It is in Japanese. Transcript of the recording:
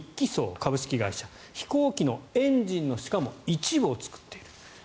株式会社飛行機のエンジンのしかも一部を作っている。